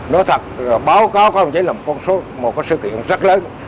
nói thật báo cáo của hồ chí minh là một sự kiện rất lớn